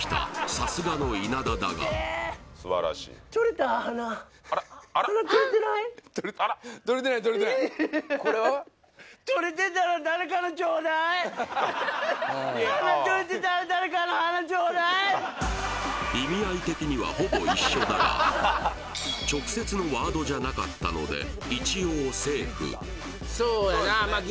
さすがの稲田だが意味合い的にはほぼ一緒だが直接のワードじゃなかったので一応セーフそうやな